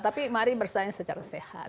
tapi mari bersaing secara sehat